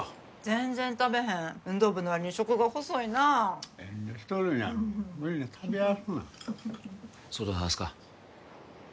全然食べへん運動部のわりに食が細いなあ遠慮しとるんやろ無理に食べやすな外で話すか？